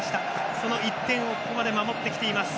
その１点をここまで守ってきています。